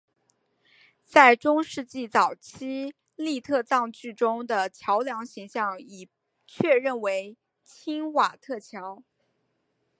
在中世纪早期粟特葬具中的桥梁形象已确定为钦瓦特桥。